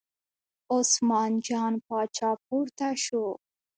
عثمان جان پاچا پورته شو.